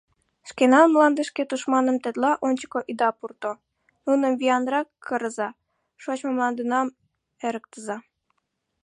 Шкенан мландышке тушманым тетла ончыко ида пурто, нуным виянрак кырыза, шочмо мландынам эрыктыза.